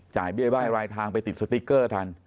เบี้ยบ้ายรายทางไปติดสติ๊กเกอร์ทัน